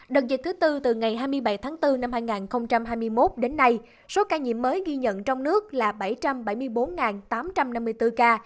đợt dịch thứ tư từ ngày hai mươi bảy tháng bốn năm hai nghìn hai mươi một đến nay số ca nhiễm mới ghi nhận trong nước là bảy trăm bảy mươi bốn tám trăm năm mươi bốn ca